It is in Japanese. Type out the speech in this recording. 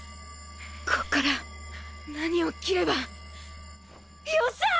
こっから何を斬ればよっしゃ！